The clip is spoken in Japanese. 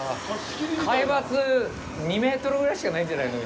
海抜２メートルぐらいしかないんじゃないの？